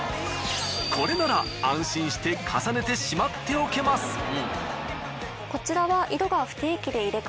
これなら安心して重ねてしまっておけます。